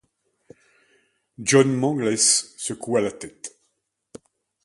John Mangles secoua la tête.